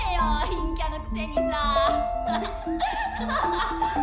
陰キャのくせにさ。